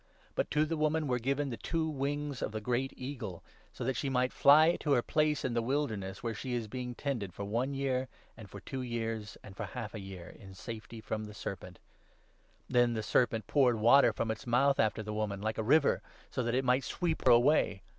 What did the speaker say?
But to the woman were given the two wings of the 14 great eagle, so that she might fly to her place in the wilderness, where she is being tended for ' one year, and for two years, and for half a year,' in safety from the Serpent. Then the 15 Serpent poured water from its mouth after the woman, like a river, so that it might sweep her away.